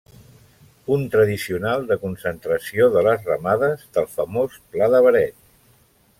Punt tradicional de concentració de les ramades del famós Pla de Beret.